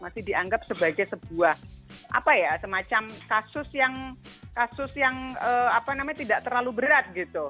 ini dianggap sebagai sebuah apa ya semacam kasus yang kasus yang apa namanya tidak terlalu berat gitu